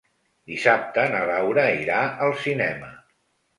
Dissabte na Laura irà al cinema.